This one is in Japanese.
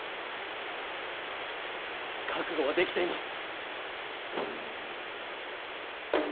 覚悟はできています。